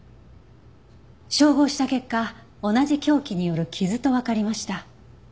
照合した結果同じ凶器による傷とわかりました。